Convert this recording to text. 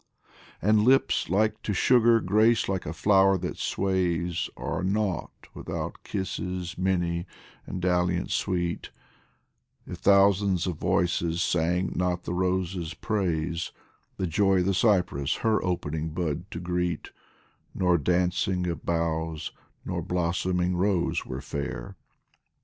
And lips like to sugar, grace like a flower that sways, Are nought without kisses many and dalliance sweet ; If thousands of voices sang not the rose's praise, The joy of the cypress her opening bud to greet, Nor dancing of boughs nor blossoming rose were fair.